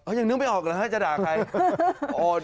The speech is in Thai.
อ้าวยังนึกไม่ออกหรอครับจะด่าใคร